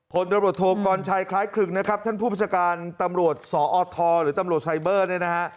ผลบริโรโทษก่อนชัยคล้ายคลึกนะครับท่านผู้พจการตำรวจสอทหรือตำรวจไซเบอร์นะฮะ